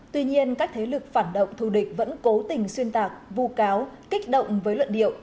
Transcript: tuy nhiên các thế lực phản động thù địch vẫn cố tình xuyên tạc vu cáo kích động với luận điệu